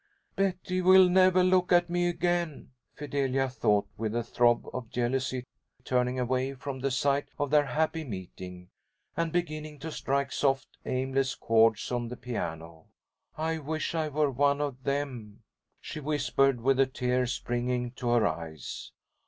"Betty will never look at me again," Fidelia thought, with a throb of jealousy, turning away from the sight of their happy meeting, and beginning to strike soft aimless chords on the piano. "I wish I were one of them," she whispered, with the tears springing to her eyes.